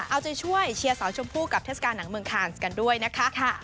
เอาใจช่วยเชียร์สาวชมพู่กับเทศกาลหนังเมืองคานส์กันด้วยนะคะ